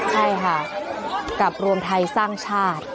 ใช่ค่ะกับรวมไทยสร้างชาติ